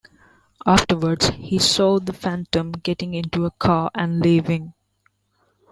Afterwards, he saw the Phantom getting into a car and leaving.